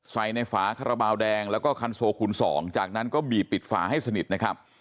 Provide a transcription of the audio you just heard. ใส่ในฝาคาราบาลแดงแล้วก็คันโซคูณ๒จากนั้นก็บีบปิดฝาให้สนิทนะครับ